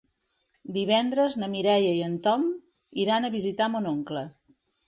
Divendres na Mireia i en Tom iran a visitar mon oncle.